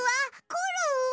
コロンは？